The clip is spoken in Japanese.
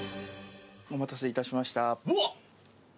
お待たせいたしました。